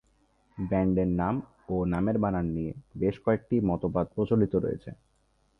ব্যান্ডের নাম ও নামের বানান নিয়ে বেশ কয়েকটি মতবাদ প্রচলিত রয়েছে।